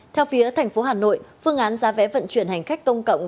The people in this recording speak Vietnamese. theo phía tp hà nội phương án giá vé vận chuyển hành khách công cộng